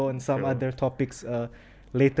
dan beberapa topik lain